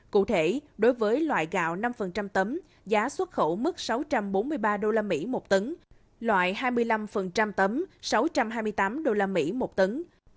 cụ thể đối với loại gạo năm tấm giá xuất khẩu mức sáu trăm bốn mươi ba usd một tấn loại hai mươi năm tấm sáu trăm hai mươi tám usd một tấn